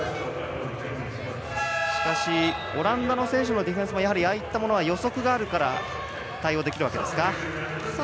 オランダの選手のディフェンスもああいったものは予測があるから対応できるわけですか。